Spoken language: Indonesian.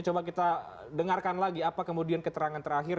coba kita dengarkan lagi apa kemudian keterangan terakhir